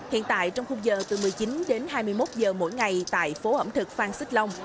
hiện tại trong khung giờ từ một mươi chín đến hai mươi một giờ mỗi ngày tại phố ẩm thực phan xích long